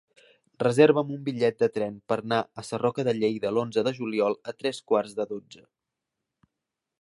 Reserva'm un bitllet de tren per anar a Sarroca de Lleida l'onze de juliol a tres quarts de dotze.